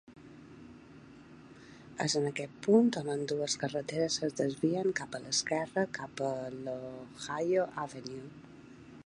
És en aquest punt on ambdues carreteres es desvien cap a l'esquerra, cap la Ohio Avenue.